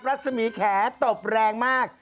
รัศมีแขตบแรงมาก